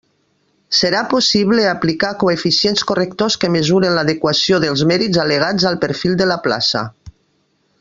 Serà possible aplicar coeficients correctors que mesuren l'adequació dels mèrits al·legats al perfil de la plaça.